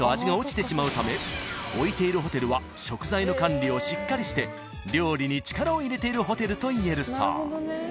［置いているホテルは食材の管理をしっかりして料理に力を入れているホテルといえるそう］